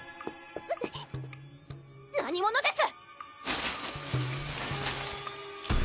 何者です